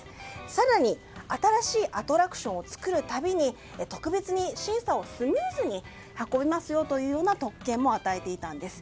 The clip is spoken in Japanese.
更に、新しいアトラクションを作る度に特別に審査をスムーズに運びますよという特権も与えていたんです。